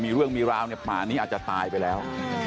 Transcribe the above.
มีเรื่องมีราวเนี่ยป่านี้อาจจะตายไปแล้ว